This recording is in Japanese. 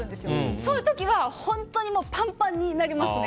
そういう時は本当にパンパンになりますね。